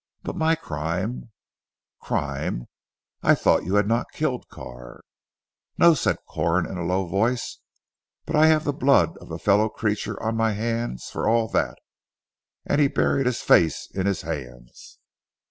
But my crime " "Crime! I thought you had not killed Carr." "No," said Corn in a low voice, "But I have the blood of a fellow creature on my hands for all that," and he buried his face in his hands.